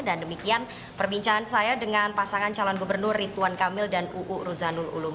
dan demikian perbincangan saya dengan pasangan calon gubernur ritwan kamil dan uu ruzanul ulum